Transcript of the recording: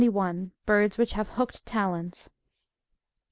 — BIEDS WHICH HAYE HOOKED TALONS.